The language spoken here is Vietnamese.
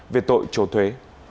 về tội trổ thuế